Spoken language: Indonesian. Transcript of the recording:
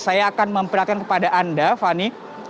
saya akan memperhatikan kepada anda fanny